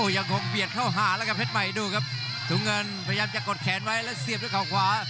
ยังคงเบียดเข้าหาแล้วครับเพชรใหม่ดูครับถุงเงินพยายามจะกดแขนไว้แล้วเสียบด้วยเขาขวา